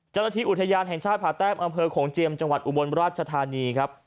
เจ้าหน้าที่อุทยานแห่งชาติผ่าแต้มอำเภอโขงเจียมจังหวัดอุบลราชธานีครับ